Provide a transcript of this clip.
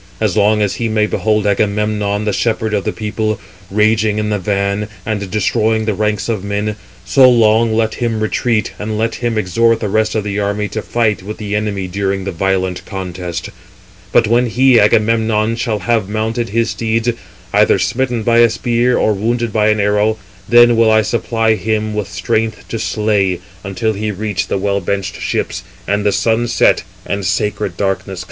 As long as he may behold Agamemnon, the shepherd of the people, raging in the van, [and] destroying the ranks of men, so long let 368 him retreat, and let him exhort the rest of the army to fight with the enemy during the violent contest. But when he (Agamemnon) shall have mounted his steeds, either smitten by a spear, or wounded by an arrow, then will I supply him with strength to slay, 369 until he reach the well benched ships, and the sun set, and sacred darkness come on."